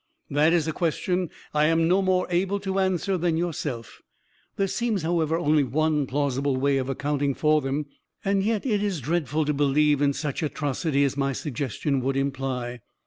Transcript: "That is a question I am no more able to answer than yourself. There seems, however, only one plausible way of accounting for them and yet it is dreadful to believe in such atrocity as my suggestion would imply.